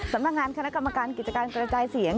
สำนักงานคณะกรรมการกิจการกระจายเสียง